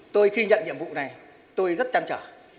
tôi khi nhận nhiệm vụ này tôi rất chăn trở